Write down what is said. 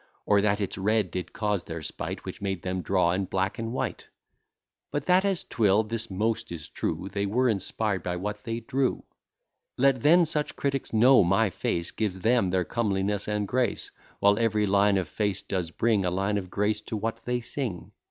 Or that its red did cause their spite, Which made them draw in black and white. Be that as 'twill, this is most true, They were inspired by what they drew. Let then such critics know, my face Gives them their comeliness and grace: While every line of face does bring A line of grace to what they sing.